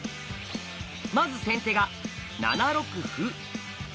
まず先手が７六歩。